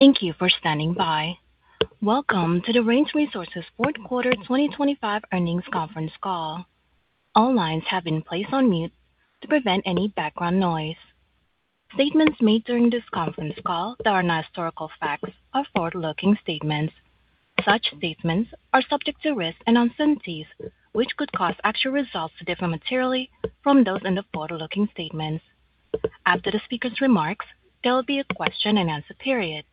Thank you for standing by. Welcome to the Range Resources Fourth Quarter 2025 Earnings Conference Call. All lines have been placed on mute to prevent any background noise. Statements made during this conference call that are not historical facts are forward-looking statements. Such statements are subject to risks and uncertainties, which could cause actual results to differ materially from those in the forward-looking statements. After the speaker's remarks, there will be a question-and-answer period.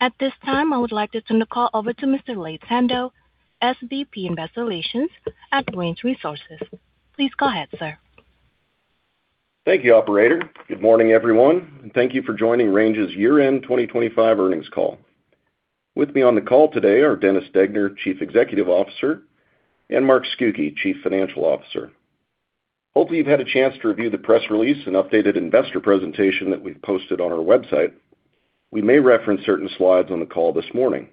At this time, I would like to turn the call over to Mr. Laith Sando, SVP, Investor Relations at Range Resources. Please go ahead, sir. Thank you, operator. Good morning, everyone, and thank you for joining Range's Year End 2025 Earnings Call. With me on the call today are Dennis Degner, Chief Executive Officer, and Mark Scucchi, Chief Financial Officer. Hopefully, you've had a chance to review the press release and updated investor presentation that we've posted on our website. We may reference certain slides on the call this morning.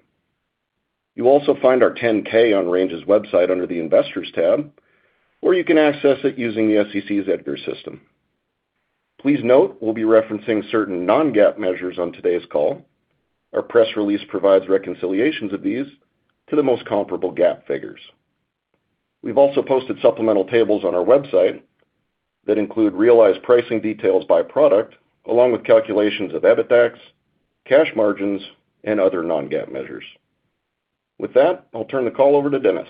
You'll also find our 10-K on Range's website under the Investors tab, or you can access it using the SEC's EDGAR system. Please note, we'll be referencing certain non-GAAP measures on today's call. Our press release provides reconciliations of these to the most comparable GAAP figures. We've also posted supplemental tables on our website that include realized pricing details by product, along with calculations of EBITDAX, cash margins, and other non-GAAP measures. With that, I'll turn the call over to Dennis.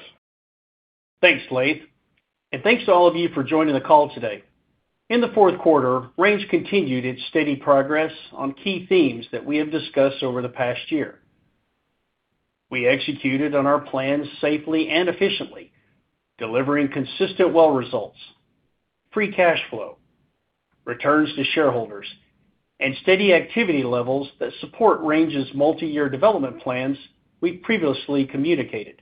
Thanks, Laith, and thanks to all of you for joining the call today. In the fourth quarter, Range continued its steady progress on key themes that we have discussed over the past year. We executed on our plans safely and efficiently, delivering consistent well results, free cash flow, returns to shareholders, and steady activity levels that support Range's multi-year development plans we've previously communicated.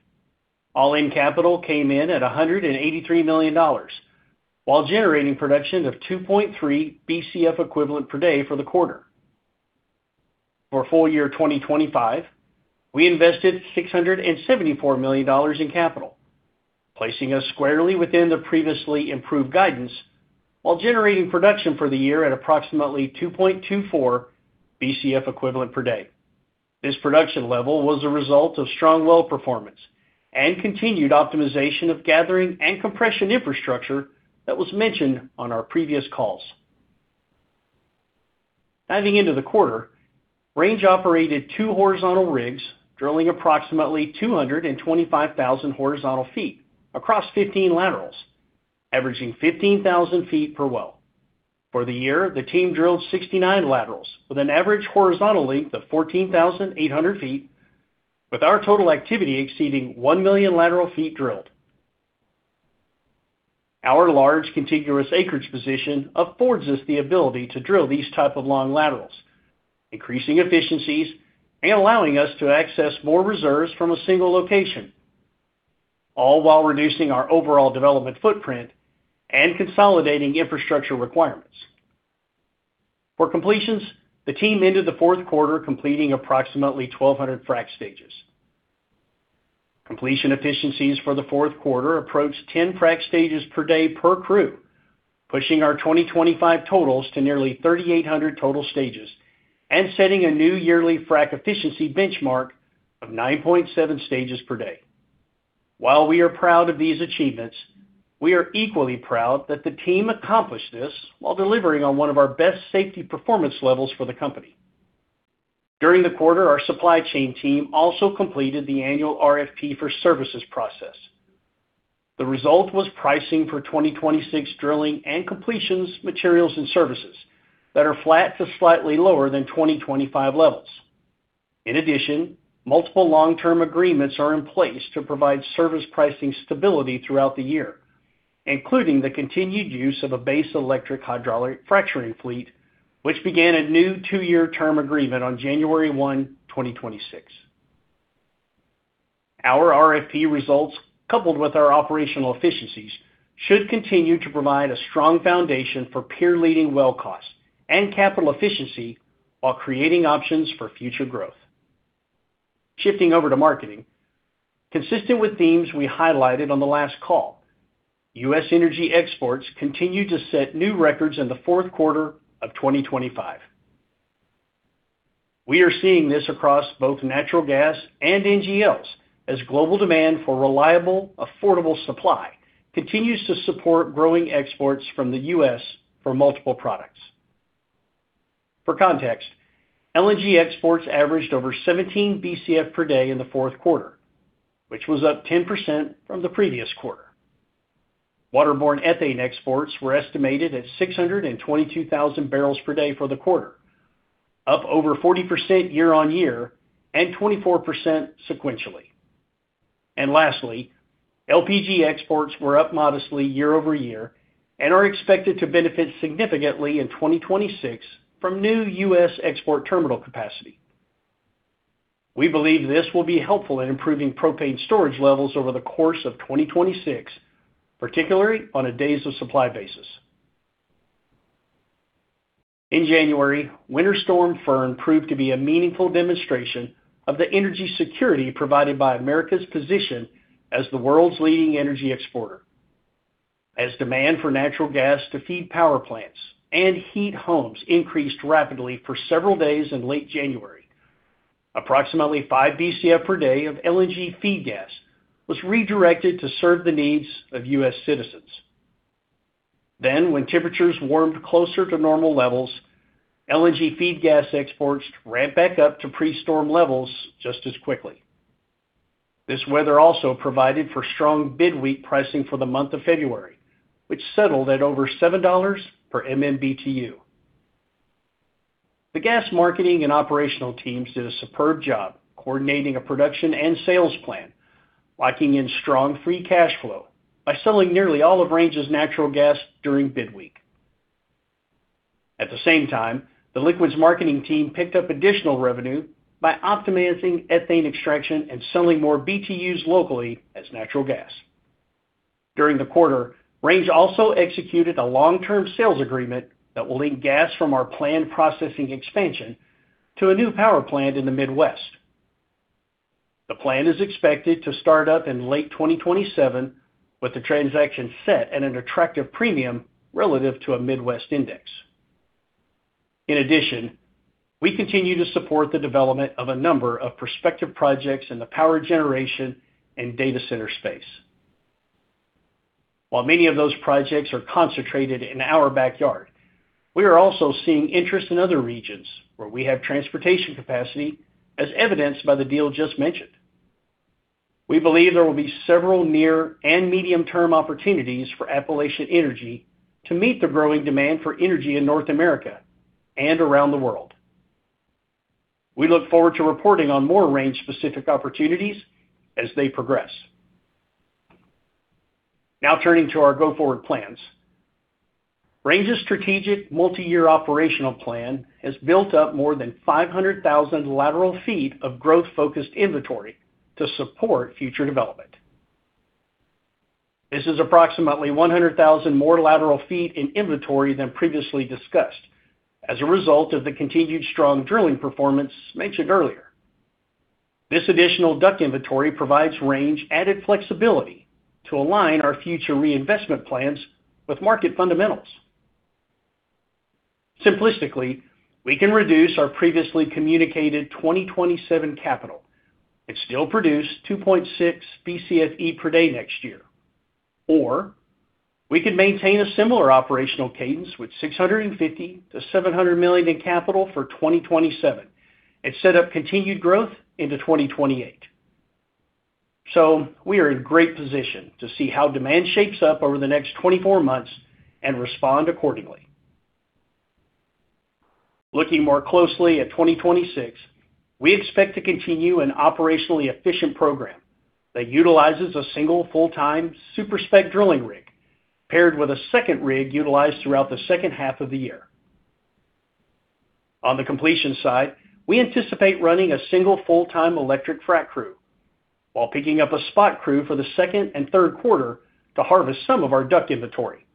All-in capital came in at $183 million, while generating production of 2.3 Bcf equivalent per day for the quarter. For FY2025, we invested $674 million in capital, placing us squarely within the previously improved guidance, while generating production for the year at approximately 2.24 Bcf equivalent per day. This production level was a result of strong well performance and continued optimization of gathering and compression infrastructure that was mentioned on our previous calls. Diving into the quarter, Range operated two horizontal rigs, drilling approximately 225,000 horizontal feet across 15 laterals, averaging 15,000 feet per well. For the year, the team drilled 69 laterals with an average horizontal length of 14,800 feet, with our total activity exceeding 1 million lateral feet drilled. Our large, contiguous acreage position affords us the ability to drill these type of long laterals, increasing efficiencies and allowing us to access more reserves from a single location, all while reducing our overall development footprint and consolidating infrastructure requirements. For completions, the team ended the fourth quarter, completing approximately 1,200 frac stages. Completion efficiencies for the fourth quarter approached 10 frac stages per day per crew, pushing our 2025 totals to nearly 3,800 total stages and setting a new yearly frac efficiency benchmark of 9.7 stages per day. While we are proud of these achievements, we are equally proud that the team accomplished this while delivering on one of our best safety performance levels for the company. During the quarter, our supply chain team also completed the annual RFP for services process. The result was pricing for 2026 drilling and completions, materials and services that are flat to slightly lower than 2025 levels. In addition, multiple long-term agreements are in place to provide service pricing stability throughout the year, including the continued use of a base electric hydraulic fracturing fleet, which began a new two year term agreement on January 1, 2026. Our RFP results, coupled with our operational efficiencies, should continue to provide a strong foundation for peer-leading well costs and capital efficiency while creating options for future growth. Shifting over to marketing. Consistent with themes we highlighted on the last call, U.S. energy exports continued to set new records in the fourth quarter of 2025. We are seeing this across both natural gas and NGLs as global demand for reliable, affordable supply continues to support growing exports from the U.S. for multiple products. For context, LNG exports averaged over 17 Bcf per day in the fourth quarter, which was up 10% from the previous quarter. Waterborne ethane exports were estimated at 622,000 barrels per day for the quarter, up over 40% year-over-year and 24% sequentially. Lastly, LPG exports were up modestly year-over-year and are expected to benefit significantly in 2026 from new U.S. export terminal capacity. We believe this will be helpful in improving propane storage levels over the course of 2026, particularly on a days of supply basis. In January, Winter Storm Fern proved to be a meaningful demonstration of the energy security provided by America's position as the world's leading energy exporter, as demand for natural gas to feed power plants and heat homes increased rapidly for several days in late January, approximately 5 Bcf per day of LNG feed gas was redirected to serve the needs of U.S. citizens. When temperatures warmed closer to normal levels, LNG feed gas exports ramped back up to pre-storm levels just as quickly. This weather also provided for strong bid week pricing for the month of February, which settled at over $7 per MMBtu. The gas marketing and operational teams did a superb job coordinating a production and sales plan, locking in strong free cash flow by selling nearly all of Range's natural gas during bid week. At the same time, the liquids marketing team picked up additional revenue by optimizing ethane extraction and selling more BTUs locally as natural gas. During the quarter, Range also executed a long-term sales agreement that will link gas from our planned processing expansion to a new power plant in the Midwest. The plan is expected to start up in late 2027, with the transaction set at an attractive premium relative to a Midwest index. We continue to support the development of a number of prospective projects in the power generation and data center space. While many of those projects are concentrated in our backyard, we are also seeing interest in other regions where we have transportation capacity, as evidenced by the deal just mentioned. We believe there will be several near and medium-term opportunities for Appalachian Energy to meet the growing demand for energy in North America and around the world. We look forward to reporting on more Range-specific opportunities as they progress. Turning to our go-forward plans. Range's strategic multi-year operational plan has built up more than 500,000 lateral feet of growth-focused inventory to support future development. This is approximately 100,000 more lateral feet in inventory than previously discussed as a result of the continued strong drilling performance mentioned earlier. This additional duct inventory provides Range added flexibility to align our future reinvestment plans with market fundamentals. Simplistically, we can reduce our previously communicated 2027 capital and still produce 2.6 Bcfe per day next year. We could maintain a similar operational cadence with $650 million to $700 million in capital for 2027 and set up continued growth into 2028. We are in great position to see how demand shapes up over the next 24 months and respond accordingly. Looking more closely at 2026, we expect to continue an operationally efficient program that utilizes a single full-time super spec drilling rig, paired with a second rig utilized throughout the second half of the year. On the completion side, we anticipate running a single full-time electric frac crew, while picking up a spot crew for the second and third quarter to harvest some of our DUC inventory.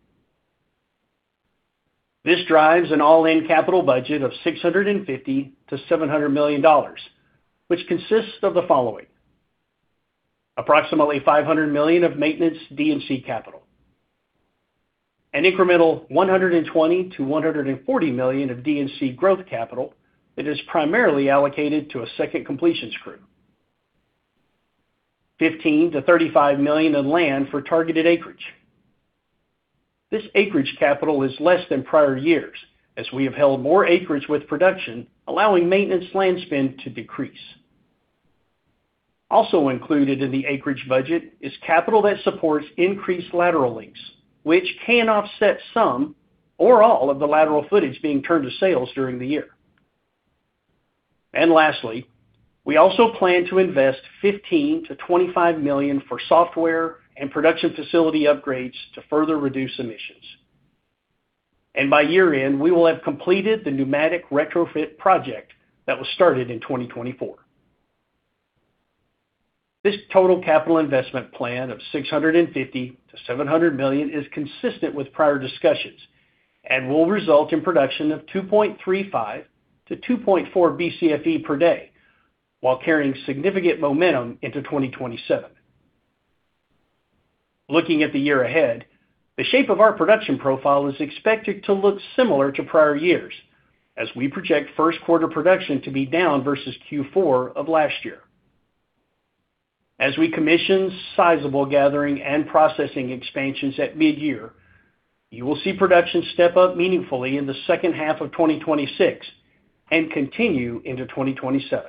This drives an all-in capital budget of $650 million to $700 million, which consists of the following: approximately $500 million of maintenance D&C capital, an incremental $120 million to $140 million of D&C growth capital that is primarily allocated to a second completions crew, $15 million to $35 million in land for targeted acreage. This acreage capital is less than prior years, as we have held more acreage with production, allowing maintenance land spend to decrease. Also included in the acreage budget is capital that supports increased lateral lengths, which can offset some or all of the lateral footage being turned to sales during the year. Lastly, we also plan to invest $15 million to $25 million for software and production facility upgrades to further reduce emissions. By year-end, we will have completed the pneumatic retrofit project that was started in 2024. This total capital investment plan of $650 million to $700 million is consistent with prior discussions and will result in production of 2.35 to 2.4 Bcfe per day, while carrying significant momentum into 2027. Looking at the year ahead, the shape of our production profile is expected to look similar to prior years, as we project first quarter production to be down versus Q4 of last year. As we commission sizable gathering and processing expansions at mid-year, you will see production step up meaningfully in the second half of 2026 and continue into 2027.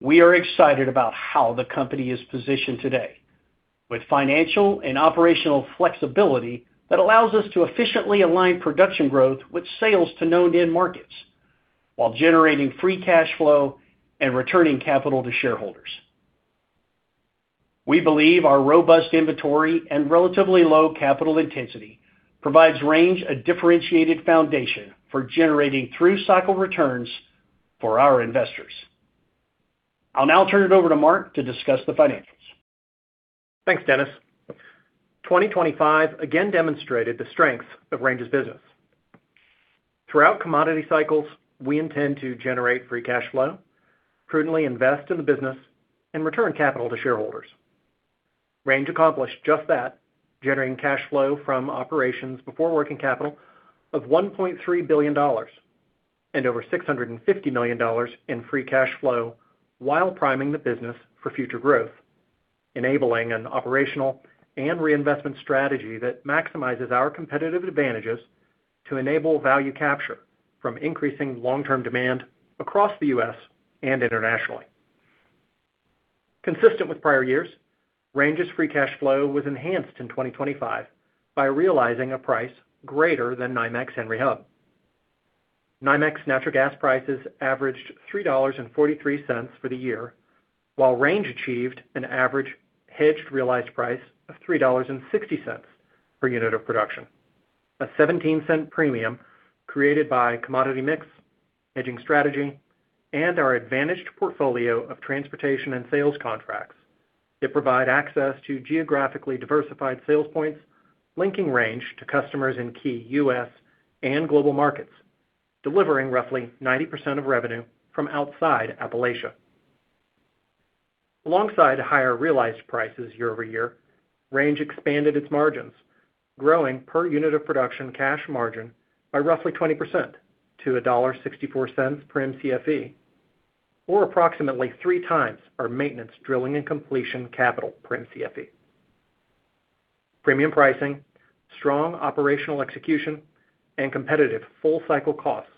We are excited about how the company is positioned today, with financial and operational flexibility that allows us to efficiently align production growth with sales to known-in markets, while generating free cash flow and returning capital to shareholders. We believe our robust inventory and relatively low capital intensity provides Range a differentiated foundation for generating through-cycle returns for our investors. I'll now turn it over to Mark to discuss the financials. Thanks, Dennis. 2025 again demonstrated the strength of Range's business. Throughout commodity cycles, we intend to generate free cash flow, prudently invest in the business, and return capital to shareholders. Range accomplished just that, generating cash flow from operations before working capital of $1.3 billion and over $650 million in free cash flow while priming the business for future growth, enabling an operational and reinvestment strategy that maximizes our competitive advantages to enable value capture from increasing long-term demand across the U.S. and internationally. Consistent with prior years, Range's free cash flow was enhanced in 2025 by realizing a price greater than NYMEX Henry Hub. NYMEX natural gas prices averaged $3.43 for the year, while Range achieved an average hedged realized price of $3.60 per unit of production. A $0.17 premium created by commodity mix, hedging strategy, and our advantaged portfolio of transportation and sales contracts that provide access to geographically diversified sales points, linking Range to customers in key U.S. and global markets, delivering roughly 90% of revenue from outside Appalachia. Alongside higher realized prices year-over-year, Range expanded its margins, growing per unit of production cash margin by roughly 20% to $1.64 per MCFE, or approximately 3x our maintenance, drilling, and completion capital per MCFE. Premium pricing, strong operational execution, and competitive full-cycle costs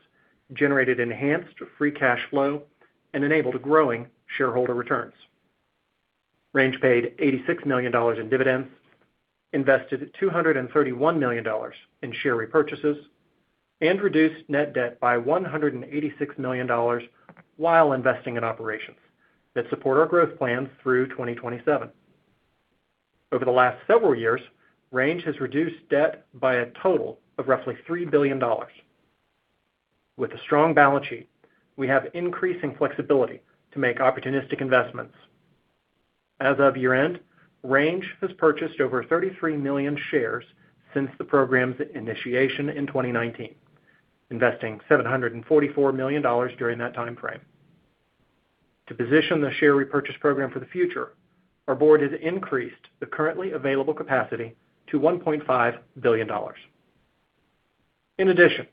generated enhanced free cash flow and enabled growing shareholder returns. Range paid $86 million in dividends, invested $231 million in share repurchases, and reduced net debt by $186 million while investing in operations that support our growth plans through 2027. Over the last several years, Range has reduced debt by a total of roughly $3 billion. With a strong balance sheet, we have increasing flexibility to make opportunistic investments. As of year-end, Range has purchased over 33 million shares since the program's initiation in 2019, investing $744 million during that time frame. To position the share repurchase program for the future, our board has increased the currently available capacity to $1.5 billion. In addition,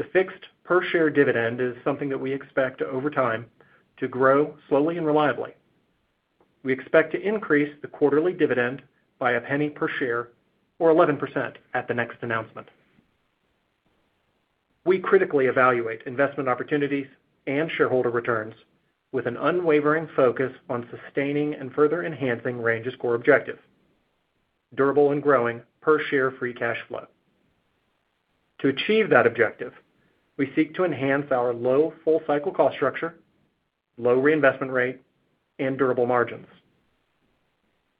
the fixed per share dividend is something that we expect over time to grow slowly and reliably. We expect to increase the quarterly dividend by a penny per share, or 11%, at the next announcement. We critically evaluate investment opportunities and shareholder returns with an unwavering focus on sustaining and further enhancing Range's core objective: durable and growing per share free cash flow. To achieve that objective, we seek to enhance our low full-cycle cost structure, low reinvestment rate, and durable margins.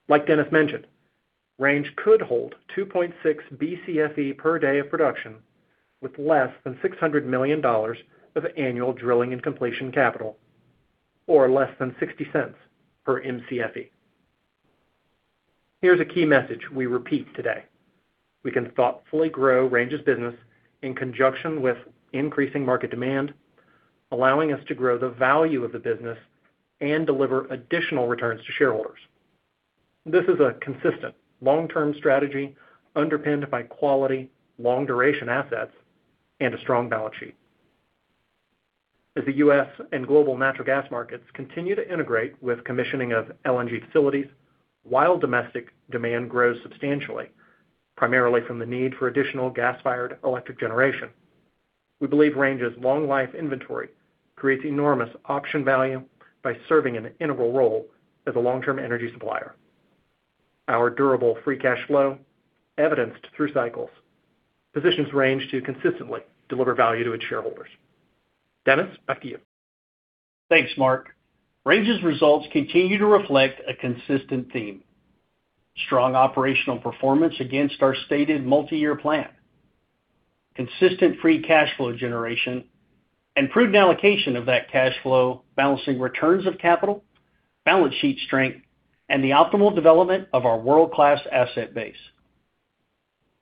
Like Dennis mentioned, Range could hold 2.6 Bcfe per day of production with less than $600 million of annual drilling and completion capital, or less than $0.60 per MCFE. Here's a key message we repeat today: We can thoughtfully grow Range's business in conjunction with increasing market demand, allowing us to grow the value of the business and deliver additional returns to shareholders. This is a consistent long-term strategy underpinned by quality, long-duration assets, and a strong balance sheet. As the U.S. and global natural gas markets continue to integrate with commissioning of LNG facilities, while domestic demand grows substantially, primarily from the need for additional gas-fired electric generation, we believe Range's long life inventory creates enormous option value by serving an integral role as a long-term energy supplier. Our durable free cash flow, evidenced through cycles, positions Range to consistently deliver value to its shareholders. Dennis, back to you. Thanks, Mark. Range's results continue to reflect a consistent theme: strong operational performance against our stated multiyear plan, consistent free cash flow generation, and prudent allocation of that cash flow, balancing returns of capital, balance sheet strength, and the optimal development of our world-class asset base.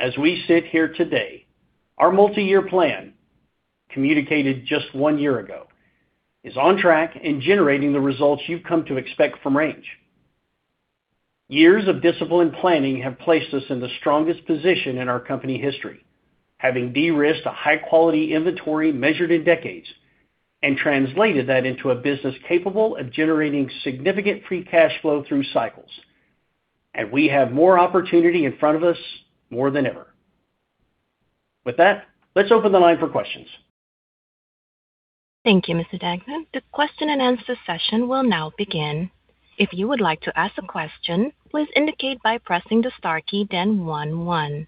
As we sit here today, our multiyear plan, communicated just one year ago, is on track in generating the results you've come to expect from Range. Years of disciplined planning have placed us in the strongest position in our company history, having de-risked a high-quality inventory measured in decades and translated that into a business capable of generating significant free cash flow through cycles. We have more opportunity in front of us more than ever. With that, let's open the line for questions. Thank you, Mr. Degner. The question-and-answer session will now begin. If you would like to ask a question, please indicate by pressing the star key, then one.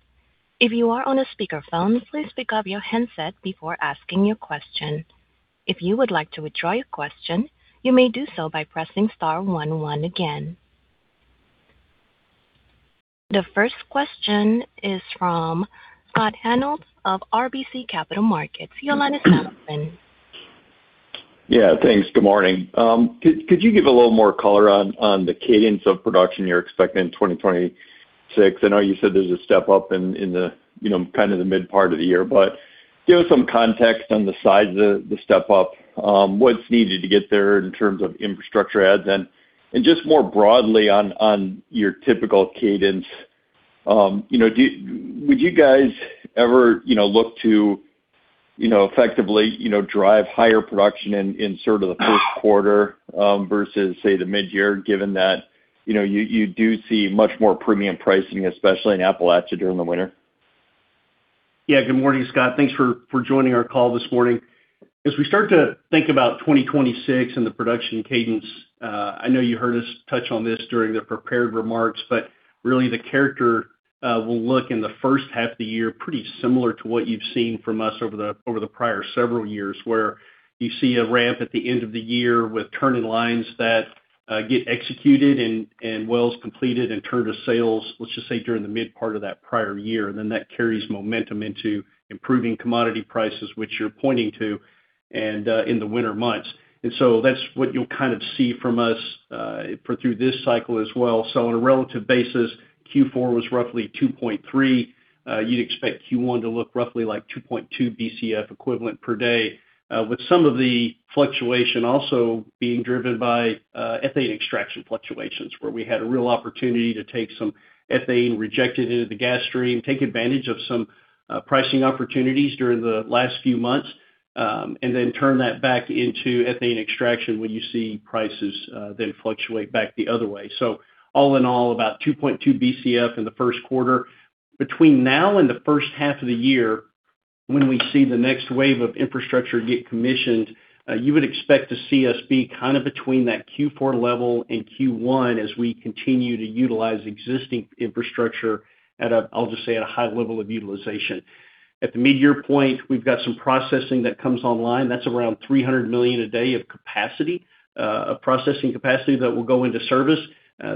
If you are on a speakerphone, please pick up your handset before asking your question. If you would like to withdraw your question, you may do so by pressing star one one again. The first question is from Scott Hanold of RBC Capital Markets. Your line is open. Yeah, thanks. Good morning. Could you give a little more color on the cadence of production you're expecting in 2026? I know you said there's a step up in the, you know, kind of the mid part of the year, but give us some context on the size of the step up. What's needed to get there in terms of infrastructure adds? Just more broadly, on your typical cadence, you know, would you guys ever, you know, look to, you know, effectively, you know, drive higher production in sort of the first quarter versus, say, the midyear, given that, you know, you do see much more premium pricing, especially in Appalachia during the winter? Yeah. Good morning, Scott. Thanks for joining our call this morning. As we start to think about 2026 and the production cadence, I know you heard us touch on this during the prepared remarks, but really, the character will look in the first half of the year, pretty similar to what you've seen from us over the prior several years, where you see a ramp at the end of the year with turning lines that get executed and wells completed and turned to sales, let's just say, during the mid part of that prior year. That carries momentum into improving commodity prices, which you're pointing to, and in the winter months. That's what you'll kind of see from us for through this cycle as well. On a relative basis, Q4 was roughly 2.3. You'd expect Q1 to look roughly like 2.2 Bcf equivalent per day. With some of the fluctuation also being driven by ethane extraction fluctuations, where we had a real opportunity to take some ethane, reject it into the gas stream, take advantage of some pricing opportunities during the last few months, and then turn that back into ethane extraction when you see prices then fluctuate back the other way. All in all, about 2.2 Bcf in the first quarter. Between now and the first half of the year, when we see the next wave of infrastructure get commissioned, you would expect to see us be kind of between that Q4 level and Q1 as we continue to utilize existing infrastructure at a high level of utilization. At the midyear point, we've got some processing that comes online, that's around $300 million a day of capacity, of processing capacity that will go into service.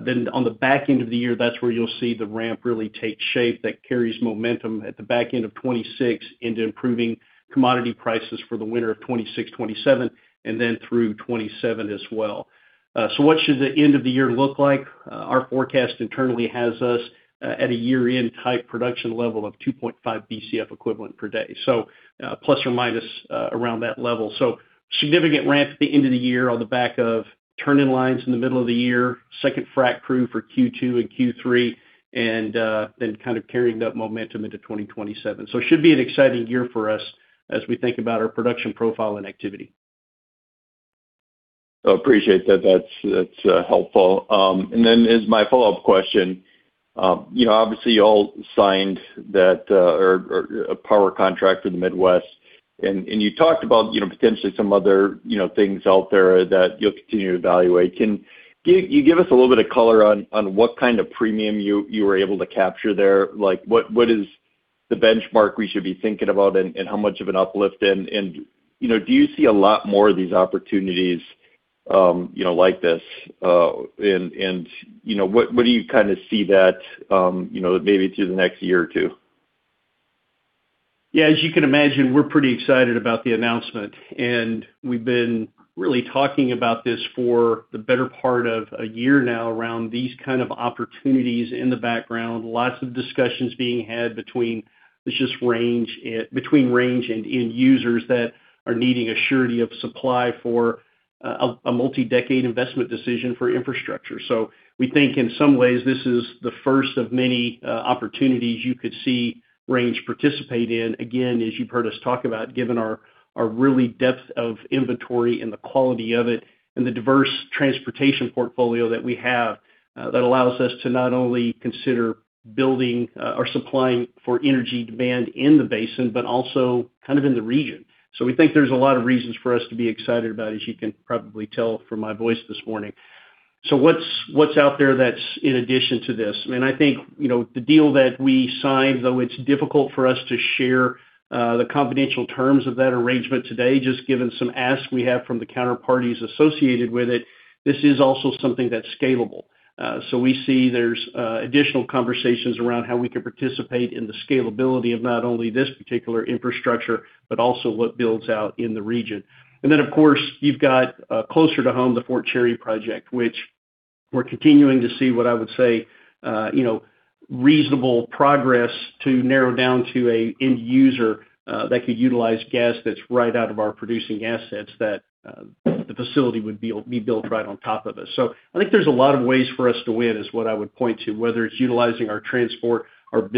Then on the back end of the year, that's where you'll see the ramp really take shape. That carries momentum at the back end of 2026 into improving commodity prices for the winter of 2026-2027, and then through 2027 as well. So what should the end of the year look like? Our forecast internally has us at a year-end type production level of 2.5 Bcfequivalent per day, so, plus or minus, around that level. Significant ramp at the end of the year on the back of turning lines in the middle of the year, second frac crew for Q2 and Q3, and then kind of carrying that momentum into 2027. It should be an exciting year for us as we think about our production profile and activity. I appreciate that. That's helpful. As my follow-up question, you know, obviously, you all signed that, or a power contract for the Midwest, and you talked about, you know, potentially some other, you know, things out there that you'll continue to evaluate. Can you give us a little bit of color on what kind of premium you were able to capture there? Like, what is the benchmark we should be thinking about and how much of an uplift? You know, do you see a lot more of these opportunities, you know, like this? You know, what do you kind of see that, you know, maybe through the next year or two? As you can imagine, we're pretty excited about the announcement. We've been really talking about this for the better part of a year now around these kind of opportunities in the background. Lots of discussions being had between, it's just Range, between Range and end users that are needing assurity of supply for a multi-decade investment decision for infrastructure. We think in some ways this is the first of many opportunities you could see Range participate in. As you've heard us talk about, given our really depth of inventory and the quality of it, and the diverse transportation portfolio that we have, that allows us to not only consider building or supplying for energy demand in the basin, but also kind of in the region. We think there's a lot of reasons for us to be excited about, as you can probably tell from my voice this morning. What's out there that's in addition to this? I mean, I think, you know, the deal that we signed, though, it's difficult for us to share the confidential terms of that arrangement today, just given some asks we have from the counterparties associated with it, this is also something that's scalable. We see there's additional conversations around how we can participate in the scalability of not only this particular infrastructure, but also what builds out in the region. Of course, you've got, closer to home, the Fort Cherry project, which we're continuing to see what I would say, you know, reasonable progress to narrow down to an end user that could utilize gas that's right out of our producing assets, that the facility would be built right on top of us. I think there's a lot of ways for us to win, is what I would point to, whether it's utilizing our transport or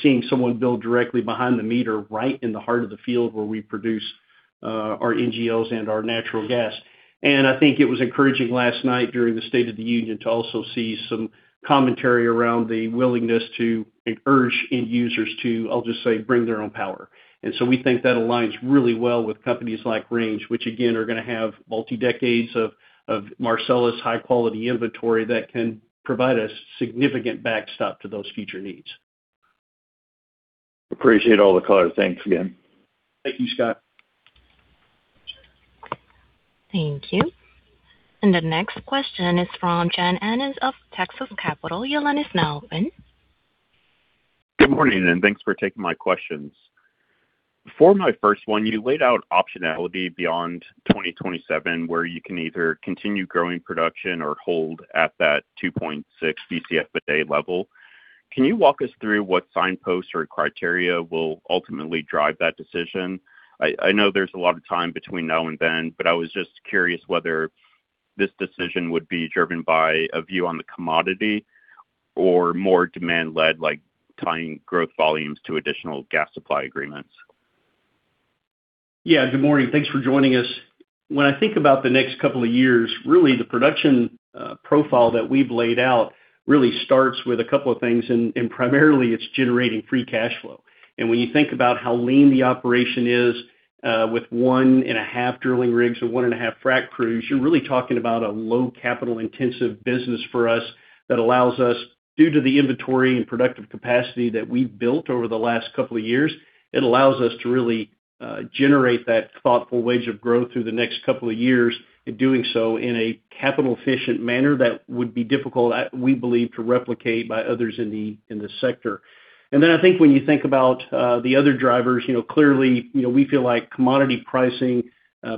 seeing someone build directly behind the meter, right in the heart of the field where we produce our NGLs and our natural gas. I think it was encouraging last night during the State of the Union to also see some commentary around the willingness to encourage end users to, I'll just say, bring their own power. We think that aligns really well with companies like Range, which again, are going to have multi-decades of Marcellus high quality inventory that can provide a significant backstop to those future needs. Appreciate all the color. Thanks again. Thank you, Scott. Thank you. The next question is from John Annis of Texas Capital. Your line is now open. Good morning. Thanks for taking my questions. For my first one, you laid out optionality beyond 2027, where you can either continue growing production or hold at that 2.6 Bcf a day level. Can you walk us through what signposts or criteria will ultimately drive that decision? I know there's a lot of time between now and then. I was just curious whether this decision would be driven by a view on the commodity or more demand led, like tying growth volumes to additional gas supply agreements. Yeah, good morning. Thanks for joining us. When I think about the next couple of years, really the production profile that we've laid out really starts with a couple of things, and primarily, it's generating free cash flow. When you think about how lean the operation is, with 1.5 drilling rigs and 1.5 frac crews, you're really talking about a low capital intensive business for us that allows us, due to the inventory and productive capacity that we've built over the last couple of years, it allows us to really generate that thoughtful wage of growth through the next couple of years, and doing so in a capital efficient manner, that would be difficult, we believe, to replicate by others in the sector. I think when you think about the other drivers, you know, clearly, you know, we feel like commodity pricing,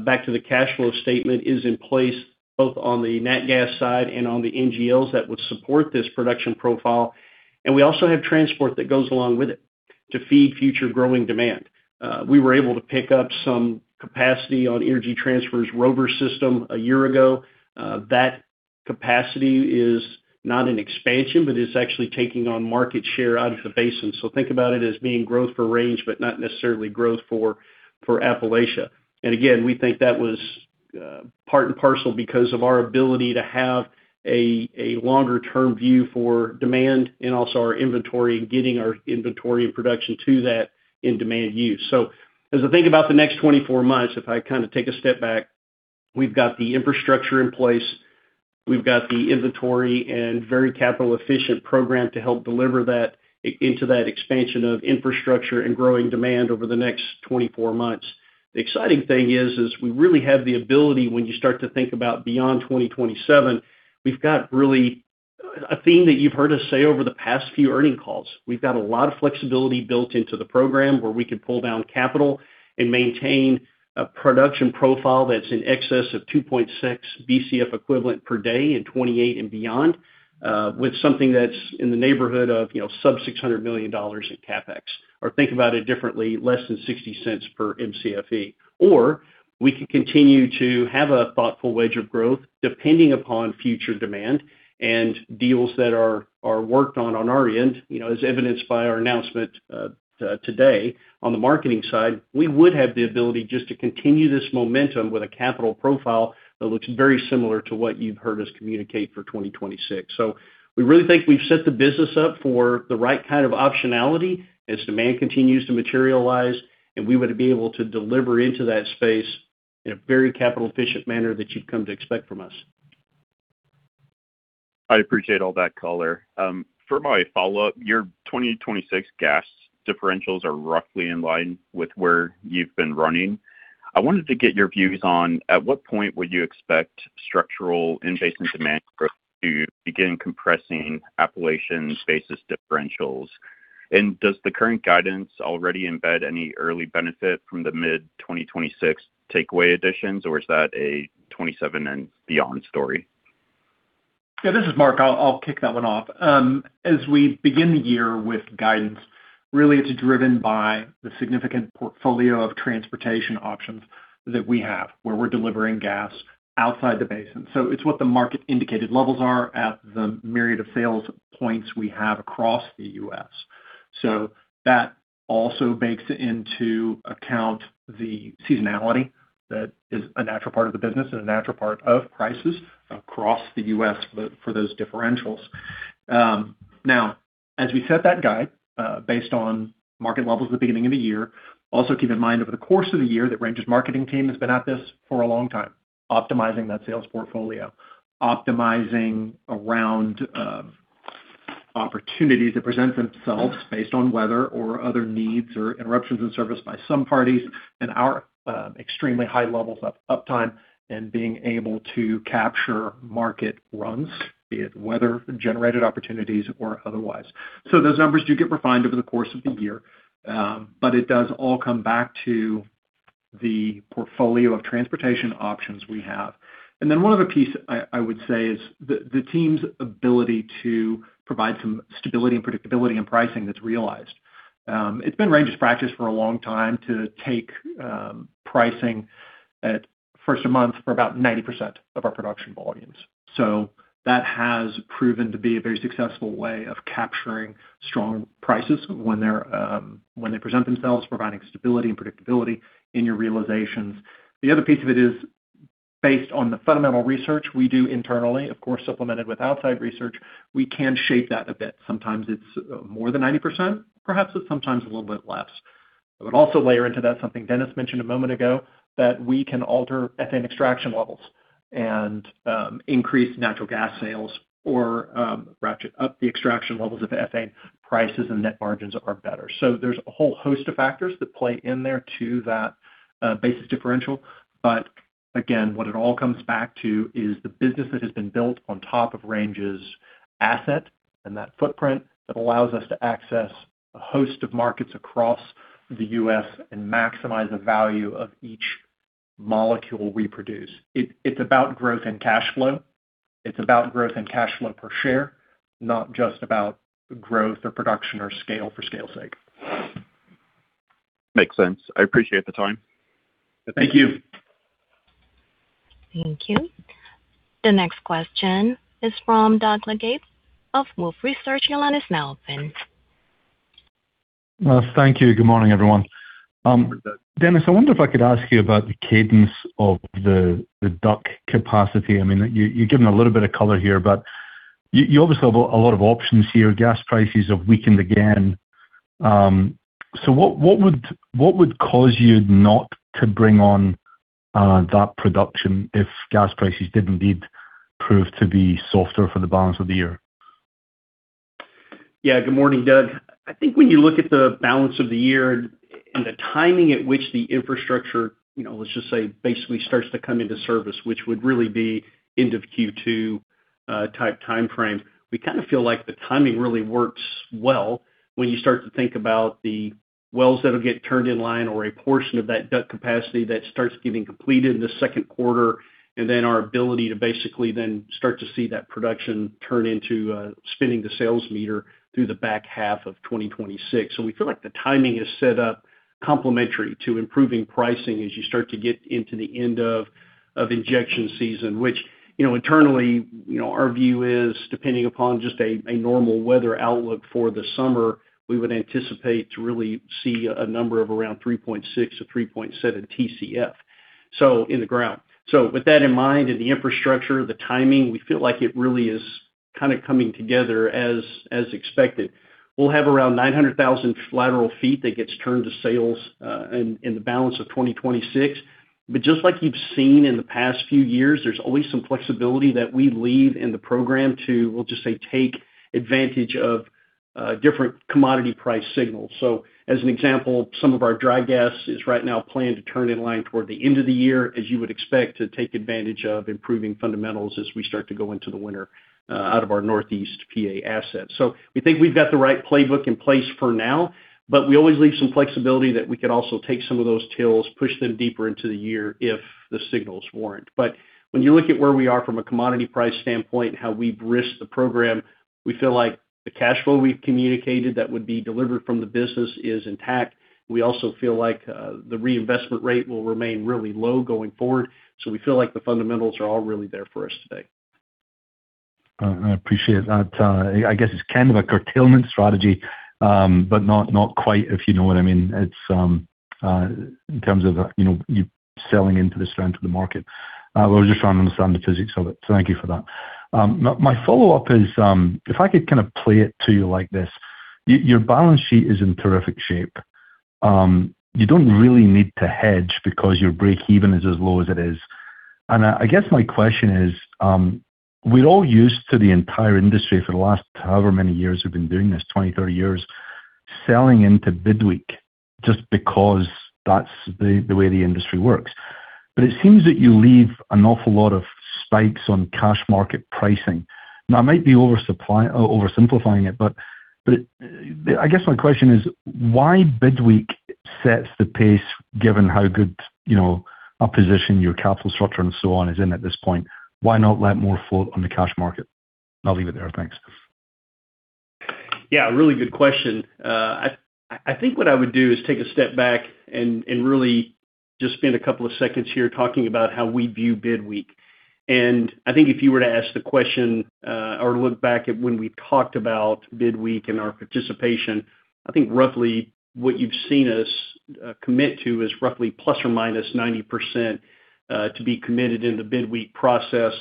back to the cash flow statement, is in place both on the nat gas side and on the NGLs that would support this production profile. We also have transport that goes along with it to feed future growing demand. We were able to pick up some capacity on Energy Transfer's Rover system a year ago. That capacity is not an expansion, but is actually taking on market share out of the basin. Think about it as being growth for Range, but not necessarily growth for Appalachia. Again, we think that was part and parcel because of our ability to have a longer term view for demand and also our inventory, and getting our inventory and production to that in demand use. As I think about the next 24 months, if I kind of take a step back, we've got the infrastructure in place, we've got the inventory and very capital efficient program to help deliver that into that expansion of infrastructure and growing demand over the next 24 months. The exciting thing is we really have the ability when you start to think about beyond 2027, we've got really a theme that you've heard us say over the past few earning calls. We've got a lot of flexibility built into the program where we can pull down capital and maintain a production profile that's in excess of 2.6 Bcf equivalent per day in 2028 and beyond, with something that's in the neighborhood of, you know, sub $600 million in CapEx. Think about it differently, less than $0.60 per Mcfe. We could continue to have a thoughtful wage of growth depending upon future demand and deals that are worked on our end. You know, as evidenced by our announcement today on the marketing side, we would have the ability just to continue this momentum with a capital profile that looks very similar to what you've heard us communicate for 2026. We really think we've set the business up for the right kind of optionality as demand continues to materialize, and we would be able to deliver into that space in a very capital efficient manner that you'd come to expect from us. I appreciate all that color. For my follow-up, your 2026 gas differentials are roughly in line with where you've been running. I wanted to get your views on at what point would you expect structural in basin demand growth to begin compressing Appalachian basis differentials? Does the current guidance already embed any early benefit from the mid-2026 takeaway additions, or is that a 2027 and beyond story? Yeah, this is Mark. I'll kick that one off. As we begin the year with guidance, really it's driven by the significant portfolio of transportation options that we have, where we're delivering gas outside the basin. It's what the market indicated levels are at the myriad of sales points we have across the U.S. That also bakes into account the seasonality that is a natural part of the business and a natural part of prices across the U.S. for those differentials. Now, as we set that guide, based on market levels at the beginning of the year, also keep in mind, over the course of the year, that Range's marketing team has been at this for a long time, optimizing that sales portfolio, optimizing around opportunities that present themselves based on weather or other needs or interruptions in service by some parties, and our extremely high levels of uptime and being able to capture market runs, be it weather generated opportunities or otherwise. Those numbers do get refined over the course of the year, but it does all come back to the portfolio of transportation options we have. One other piece I would say is the team's ability to provide some stability and predictability in pricing that's realized. It's been Range's practice for a long time to take pricing at first of month for about 90% of our production volumes. That has proven to be a very successful way of capturing strong prices when they're when they present themselves, providing stability and predictability in your realizations. The other piece of it is based on the fundamental research we do internally, of course, supplemented with outside research, we can shape that a bit. Sometimes it's more than 90%, perhaps it's sometimes a little bit less. I would also layer into that, something Dennis mentioned a moment ago, that we can alter ethane extraction levels and increase natural gas sales or ratchet up the extraction levels of ethane. Prices and net margins are better. There's a whole host of factors that play in there to that, basis differential. Again, what it all comes back to is the business that has been built on top of Range's asset, and that footprint that allows us to access a host of markets across the U.S. and maximize the value of each molecule we produce. It's about growth and cash flow. It's about growth and cash flow per share, not just about growth or production or scale for scale's sake. Makes sense. I appreciate the time. Thank you. Thank you. The next question is from Douglas Leggate of Wolfe Research, your line is now open. Thank you. Good morning, everyone. Dennis, I wonder if I could ask you about the cadence of the DUC capacity. I mean, you've given a little bit of color here, but you obviously have a lot of options here. Gas prices have weakened again. What would cause you not to bring on that production if gas prices did indeed prove to be softer for the balance of the year? Yeah, good morning, Doug. I think when you look at the balance of the year and the timing at which the infrastructure, you know, let's just say, basically starts to come into service, which would really be end of Q2, type timeframe, we kind of feel like the timing really works well when you start to think about the wells that'll get turned in line or a portion of that DUC capacity that starts getting completed in the second quarter, and then our ability to basically then start to see that production turn into, spinning the sales meter through the back half of 2026. We feel like the timing is set up complementary to improving pricing as you start to get into the end of injection season, which, you know, internally, you know, our view is, depending upon just a normal weather outlook for the summer, we would anticipate to really see a number of around 3.6-3.7 TCF, so in the ground. With that in mind, and the infrastructure, the timing, we feel like it really is kind of coming together as expected. We'll have around 900,000 lateral feet that gets turned to sales in the balance of 2026. Just like you've seen in the past few years, there's always some flexibility that we leave in the program to, we'll just say, take advantage of different commodity price signals. As an example, some of our dry gas is right now planned to turn in line toward the end of the year, as you would expect, to take advantage of improving fundamentals as we start to go into the winter, out of our Northeast PA asset. We think we've got the right playbook in place for now, but we always leave some flexibility that we could also take some of those tails, push them deeper into the year if the signals warrant. When you look at where we are from a commodity price standpoint and how we've risked the program, we feel like the cash flow we've communicated that would be delivered from the business is intact. We also feel like the reinvestment rate will remain really low going forward. We feel like the fundamentals are all really there for us today. I appreciate that. I guess it's kind of a curtailment strategy, but not quite, if you know what I mean. It's in terms of, you know, you selling into the strength of the market. We're just trying to understand the physics of it, so thank you for that. My follow-up is, if I could kind of play it to you like this, your balance sheet is in terrific shape. You don't really need to hedge because your breakeven is as low as it is. I guess my question is, we're all used to the entire industry for the last however many years we've been doing this, 20, 30 years, selling into bid week just because that's the way the industry works. It seems that you leave an awful lot of spikes on cash market pricing. Now, I might be oversimplifying it, but I guess my question is, why bid week sets the pace, given how good, you know, a position, your capital structure and so on is in at this point? Why not let more float on the cash market? I'll leave it there. Thanks. Yeah, really good question. I think what I would do is take a step back and really just spend a couple of seconds here talking about how we view bid week. I think if you were to ask the question, or look back at when we talked about bid week and our participation, I think roughly what you've seen us commit to is roughly plus or minus 90% to be committed in the bid week process.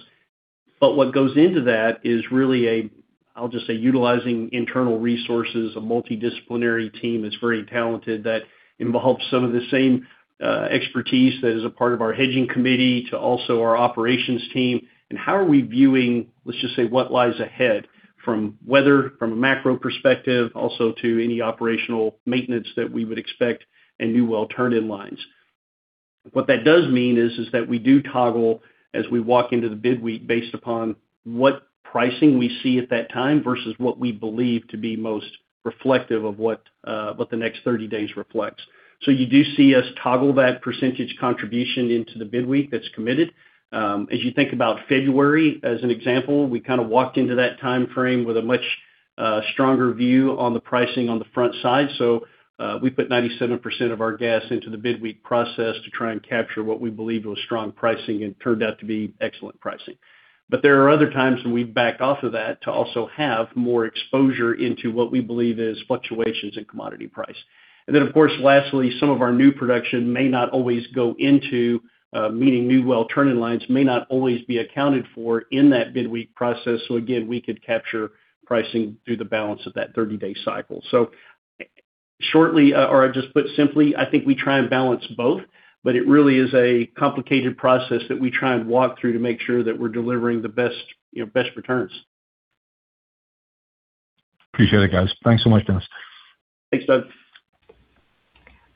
What goes into that is really a, I'll just say, utilizing internal resources, a multidisciplinary team that's very talented, that involves some of the same expertise that is a part of our hedging committee to also our operations team. How are we viewing, let's just say, what lies ahead from weather, from a macro perspective, also to any operational maintenance that we would expect and new well turn-in lines. What that does mean is that we do toggle as we walk into the bid week based upon what pricing we see at that time versus what we believe to be most reflective of what the next 30 days reflects. You do see us toggle that percentage contribution into the bid week that's committed. As you think about February, as an example, we kind of walked into that timeframe with a much stronger view on the pricing on the front side. We put 97% of our gas into the bid week process to try and capture what we believed was strong pricing and turned out to be excellent pricing. There are other times when we've backed off of that to also have more exposure into what we believe is fluctuations in commodity price. Of course, lastly, some of our new production may not always go into, meaning new well turn-in lines, may not always be accounted for in that bid week process. Again, we could capture pricing through the balance of that 30-day cycle. Shortly, or just put simply, I think we try and balance both, but it really is a complicated process that we try and walk through to make sure that we're delivering the best, you know, best returns. Appreciate it, guys. Thanks so much, Dennis. Thanks, bud.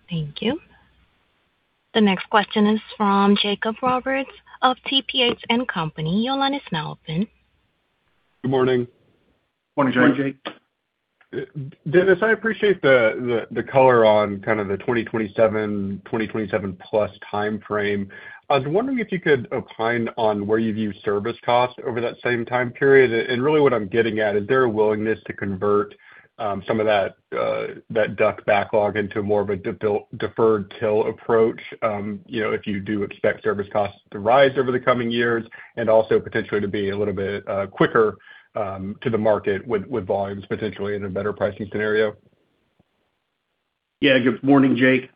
Thank you. The next question is from Jacob Roberts of TPH & Company. Your line is now open. Good morning. Morning, Jake. Dennis, I appreciate the color on kind of the 2027 plus timeframe. I was wondering if you could opine on where you view service costs over that same time period. Really what I'm getting at, is there a willingness to convert some of that DUC backlog into more of a deferred till approach, you know, if you do expect service costs to rise over the coming years, and also potentially to be a little bit quicker to the market with volumes potentially in a better pricing scenario? Yeah. Good morning, Jake.